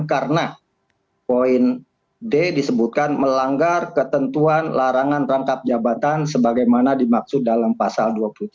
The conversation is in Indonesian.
karena poin d disebutkan melanggar ketentuan larangan rangkap jabatan sebagaimana dimaksud dalam pasal dua puluh tiga